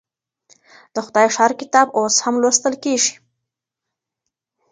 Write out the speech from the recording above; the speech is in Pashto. د خدای ښار کتاب اوس هم لوستل کيږي.